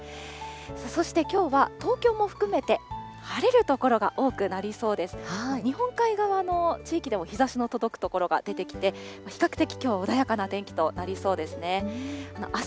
そしてきょうは、東京も含めて晴れる所が多くなりそうです。